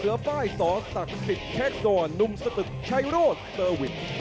เสื้อฝ้ายสศักดิ์สิทธิ์เทคซอร์นนุ่มสตึกชัยโรธสวิท